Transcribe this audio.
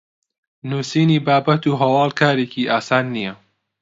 نوسینی بابەت و هەواڵ کارێکی ئاسان نییە